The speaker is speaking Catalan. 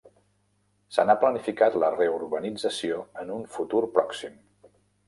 Se n'ha planificat la reurbanització en un futur pròxim.